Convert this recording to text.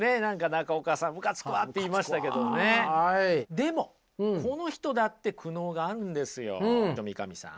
でもこの人だって苦悩があるんですよ三上さん。